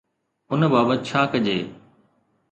ان بابت ڇا ڪجي؟